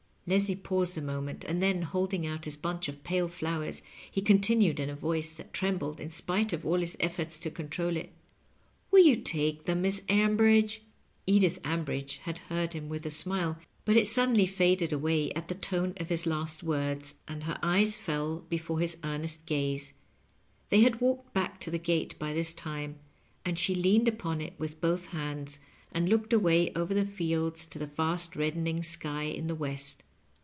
" Leslie paused a moment, and then holding out his bunch of pale flowers, he continued in a voic^ that trem bled in spite of all his efforts to control it, " Will you take them, Miss Ambridge ?" Edith Ambridge had heard him with a smile, but it suddenly faded away at the tone of his last words, and her eyes fell before his earnest gaze. They had walked back to the gate by this time, and she leaned upon it with both hands, and looked away over the fields to the fast reddening sky in the west.